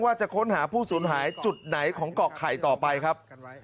ว่าจะค้นหาผู้สูญหายจุดไหนของเกาะไข่ต่อไปครับ